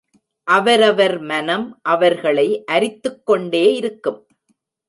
அவரவர் மனம் அவர்களை அரித்துக்கொண்டே இருக்கும்.